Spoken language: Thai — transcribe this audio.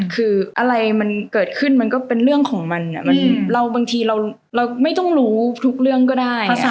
คืออะไรมันเกิดขึ้นมันก็เป็นเรื่องของมันเราบางทีเราไม่ต้องรู้ทุกเรื่องก็ได้